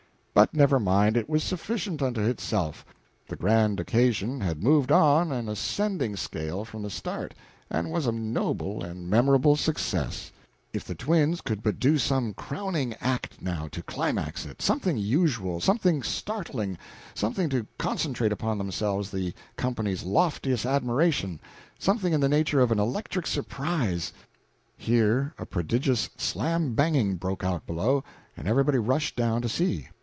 But never mind, it was sufficient unto itself, the grand occasion had moved on an ascending scale from the start, and was a noble and memorable success. If the twins could but do some crowning act, now, to climax it, something unusual, something startling, something to concentrate upon themselves the company's loftiest admiration, something in the nature of an electric surprise Here a prodigious slam banging broke out below, and everybody rushed down to see.